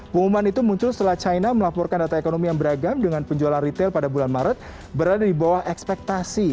pengumuman itu muncul setelah china melaporkan data ekonomi yang beragam dengan penjualan retail pada bulan maret berada di bawah ekspektasi